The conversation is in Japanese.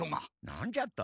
何じゃと？